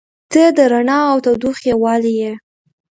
• ته د رڼا او تودوخې یووالی یې.